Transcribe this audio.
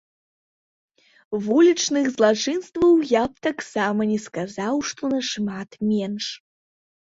Вулічных злачынстваў я б таксама не сказаў, што нашмат менш.